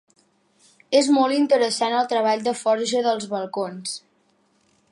És molt interessant el treball de forja dels balcons.